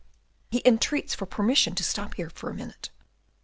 "He entreats for permission to stop here for minute."